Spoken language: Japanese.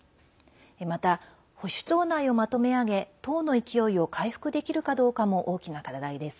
また、保守党内をまとめあげ党の勢いを回復できるかどうかも大きな課題です。